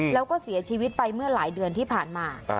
แล้วก็เสียชีวิตไปเมื่อหลายเดือนที่ผ่านมา